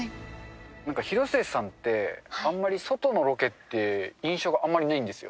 なんか広末さんって、あんまり外のロケって、印象があまりないんですよ。